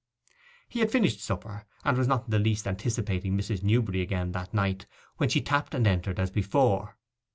He had finished supper, and was not in the least anticipating Mrs. Newberry again that night, when she tapped and entered as before.